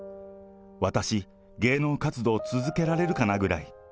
私、芸能活動続けられるかなぐらい。